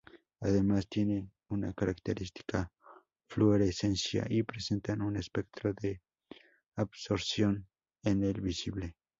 Además tienen una característica fluorescencia y presentan un espectro de absorción en el visible.